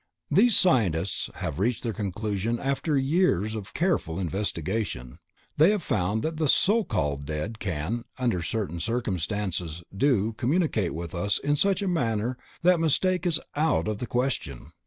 These scientists have reached their conclusion after years of careful investigation. They have found that the so called dead can, and under certain circumstances do, communicate with us in such a manner that mistake is out of the question.